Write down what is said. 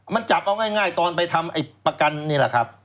มันจับเอาง่ายตอนไปทำไอ้ประกันนี่แหละครับ